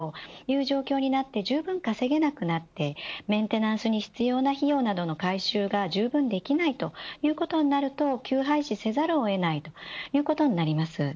働けるけれど働けないという状況になってじゅうぶん稼げなくなってメンテナンスに必要な費用などの回収がじゅうぶんできないということになると休廃止せざるを得ないということになります。